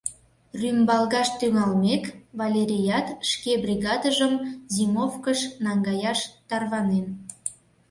Рӱмбалгаш тӱҥалмек, Валерият шке бригадыжым зимовкыш наҥгаяш тарванен.